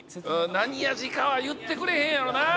「何味かは言ってくれへんやろな！」